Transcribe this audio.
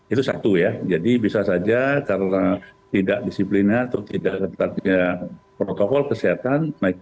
itu satu ya jadi bisa saja karena tidak disiplinnya atau tidak tetap punya protokol kesehatan